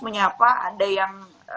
menyapa ada yang